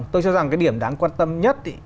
tôi cho rằng cái điểm đáng quan tâm nhất